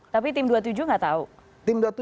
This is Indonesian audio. tapi tim dua puluh tujuh nggak tahu